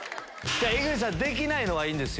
井口さんできないのはいいんです